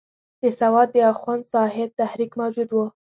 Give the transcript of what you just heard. د سوات د اخوند صاحب تحریک موجود وو.